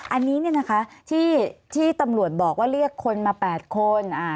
อันนี้ที่ตำรวจบอกว่าเรียกคนมา๘คน